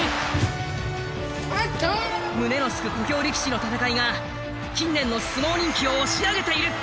胸のすく小兵力士の戦いが近年の相撲人気を押し上げている。